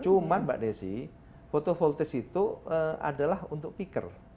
cuma pak desi photo voltage itu adalah untuk peaker